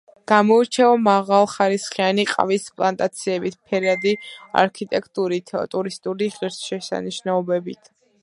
გამოირჩევა მაღალხარისხიანი ყავის პლანტაციებით, ფერადი არქიტექტურით, ტურისტული ღირსშესანიშნაობებით.